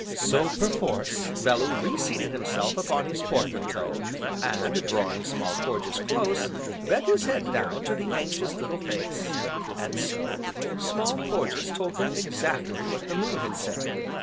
So, perforce, Bellew re seated himself upon his portmanteau, and drawing Small Porges close, bent his head down to the anxious little face; and so, Small Porges told him exactly what the Moon had said.